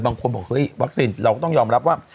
บางคนบอกเฮ้ยวัคซีนเราก็ต้องยอมรับว่า